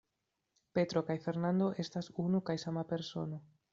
Petro kaj Fernando estas unu kaj sama persono.